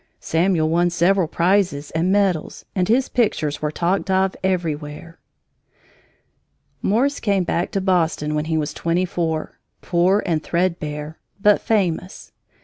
Samuel won several prizes and medals, and his pictures were talked of everywhere. Morse came back to Boston when he was twenty four, poor and threadbare, but famous.